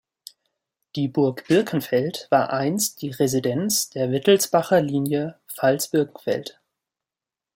Die Burg Birkenfeld war einst die Residenz der Wittelsbacher Linie Pfalz-Birkenfeld.